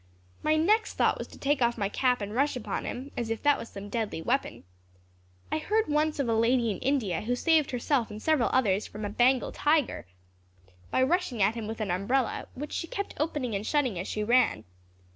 My next thought was to take off my cap and rush upon him, as if that was some deadly weapon. I heard once of a lady in India, who saved herself and several others from a Bengal tiger, by rushing at him with an umbrella which she kept opening and shutting as she ran.